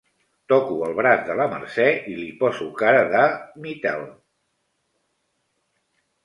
Toco el braç de la Mercè i li poso cara de mi-te'l.